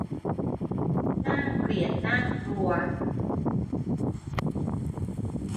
น่าเกลียดน่ากลัว